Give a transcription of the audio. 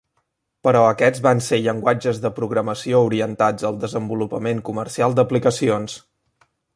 Però aquests van ser llenguatges de programació orientats al desenvolupament comercial d'aplicacions.